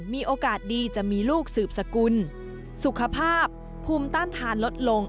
มีโอกาสดีจะมีลูกสืบสกุลสุขภาพภูมิต้านทานลดลง